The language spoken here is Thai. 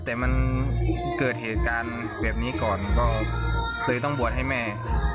แต่มันเกิดเหตุการณ์แบบนี้ก่อนก็เลยต้องบวชให้แม่